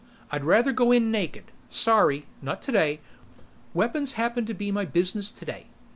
"I'd rather go in naked. Sorry. Not today. Weapons happen to be my business today.